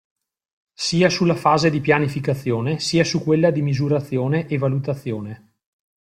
Sia sulla fase di pianificazione sia su quella di misurazione e valutazione.